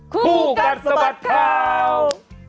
คู่กัดสะบัดข่าว